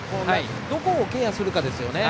どこをケアするかですよね。